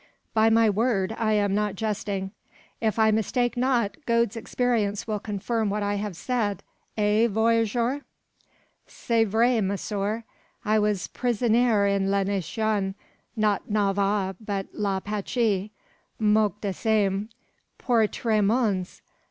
"By my word, I am not jesting! If I mistake not, Gode's experience will confirm what I have said. Eh, voyageur?" "C'est vrai, monsieur. I vas prisonnier in le nation; not Navagh, but l'Apache moch de same pour tree mons.